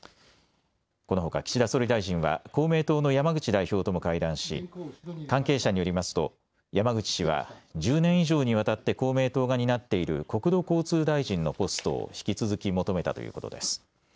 このほか岸田総理大臣は公明党の山口代表とも会談し関係者によりますと山口氏は１０年以上にわたって公明党が担っている国土交通大臣のポストを引き続き求めたということです。